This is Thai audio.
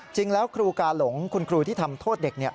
จริงแล้วครูกาหลงคุณครูที่ทำโทษเด็ก